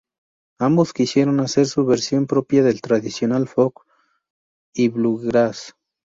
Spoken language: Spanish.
Ambos quisieron hacer su versión propia de tradicional folk y bluegrass.